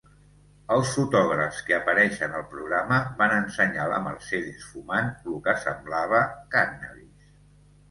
Els fotògrafs que apareixen al programa van ensenyar la Mercedes fumant lo que semblava cànnabis.